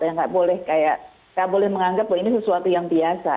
tidak boleh menganggap bahwa ini sesuatu yang biasa